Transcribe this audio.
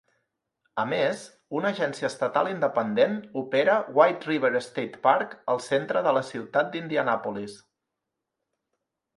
A més, una agència estatal independent opera White River State Park al centre de la ciutat d"Indianapolis.